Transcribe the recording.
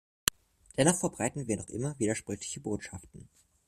Dennoch verbreiten wir noch immer widersprüchliche Botschaften.